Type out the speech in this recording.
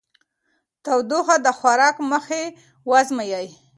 تودوخه د خوراک مخکې وازمویئ.